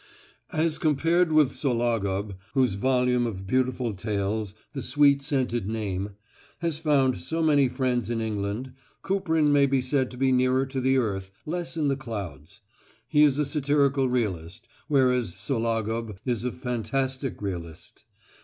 As compared with Sologub, whose volume of beautiful tales, "The Sweet scented Name," has found so many friends in England, Kuprin may be said to be nearer to the earth, less in the clouds. He is a satirical realist, whereas Sologub is a fantastic realist.